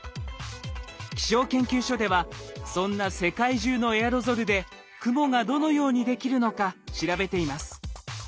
気象研究所ではそんな世界中のエアロゾルで雲がどのようにできるのか調べています。